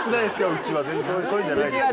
うちは全然そういうんじゃないですよ。